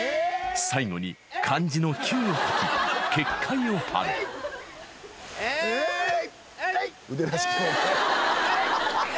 最後に漢字の「九」を書き結界を張るえーいえい！